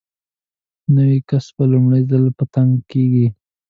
نوی کس په لومړي ځل په تنګ کېږي.